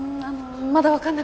まだわかんなくて。